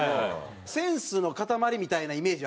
センスの塊みたいなイメージはあるよね。